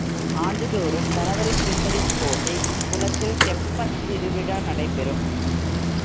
ஆண்டுதோறும் சனவரித் திங்களின்போது இக் குளத்தில் தெப்பத் திருவிழா நடைபெறும்.